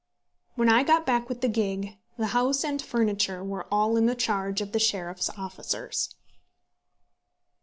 When I got back with the gig, the house and furniture were all in the charge of the sheriff's officers.